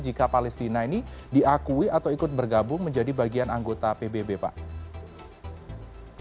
jika palestina ini diakui atau ikut bergabung menjadi bagian anggota pbb pak